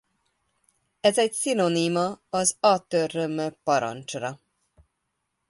Ez egy szinonima az atrm parancsra.